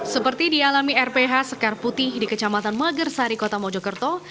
seperti dialami rph sekar putih di kecamatan magersari kota mojokerto